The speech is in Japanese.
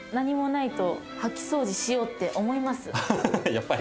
やっぱり。